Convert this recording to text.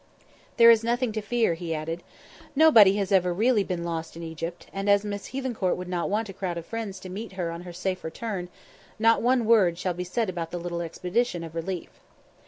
"There is nothing to fear," he added. "Nobody has ever really been lost in Egypt, and as Miss Hethencourt will not want a crowd of friends to meet her on her safe return, not one word shall be said about the little expedition of relief."